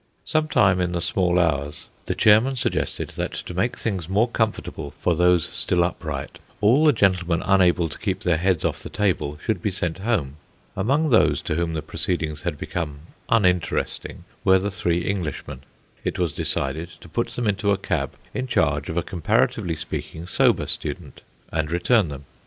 Some time in the small hours, the chairman suggested that to make things more comfortable for those still upright, all the gentlemen unable to keep their heads off the table should be sent home. Among those to whom the proceedings had become uninteresting were the three Englishmen. It was decided to put them into a cab in charge of a comparatively speaking sober student, and return them.